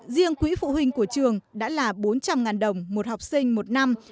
riêng quỹ phụ huynh của trường đã là bốn trăm linh đồng một học sinh một năm